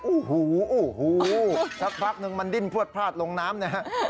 โอ้โหสักพักนึงมันดิ้นพลวดพลาดลงน้ำนะฮะ